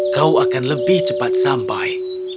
kau akan lebih cepat sampai